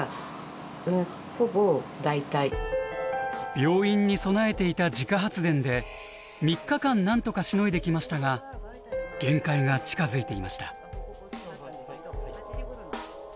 病院に備えていた自家発電で３日間なんとかしのいできましたが限界が近づいていました。